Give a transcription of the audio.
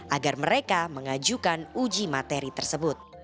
agar mereka mengajukan uji materi tersebut